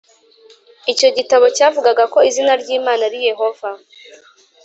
Icyo gitabo cyavugaga ko izina ry Imana ari Yehova